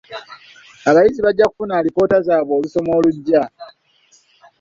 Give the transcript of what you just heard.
Abayizi bajja kufuna alipoota zaabwe olusoma olujja.